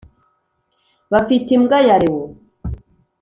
bafite imbwa ya leo